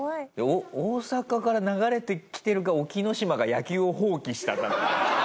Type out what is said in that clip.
大阪から流れてきてるか沖の島が野球を放棄したかだよね。